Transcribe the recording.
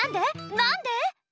何で？